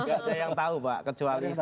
gak ada yang tahu pak kecuali istri